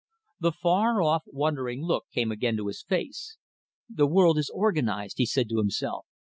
The far off, wondering look came again to his face. "The world is organized!" he said, to himself.